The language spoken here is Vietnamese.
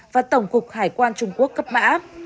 và tổng cục hải quan trung quốc cấp mã